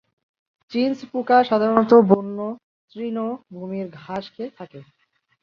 চিঞ্চ পোকা সাধারণত বন্য তৃণভূমির ঘাস খেয়ে থাকে।